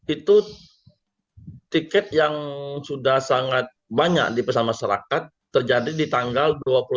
itu tiket yang sudah sangat banyak dipesan masyarakat terjadi di tanggal dua puluh satu